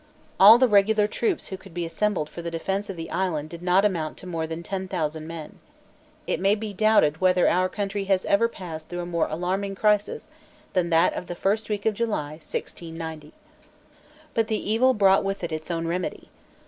All the regular troops who could be assembled for the defence of the island did not amount to more than ten thousand men. It may be doubted whether our country has ever passed through a more alarming crisis than that of the first week of July 1690. But the evil brought with it its own remedy.